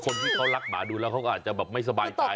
คนที่เขารักหมาดูแล้วเขาก็อาจจะแบบไม่สบายใจ